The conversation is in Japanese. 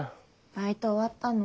バイト終わったの？